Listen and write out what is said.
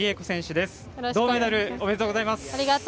銅メダル、おめでとうございます。